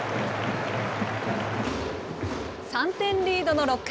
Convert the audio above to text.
３点リードの６回。